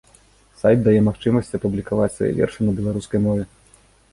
Сайт дае магчымасць апублікаваць свае вершы на беларускай мове.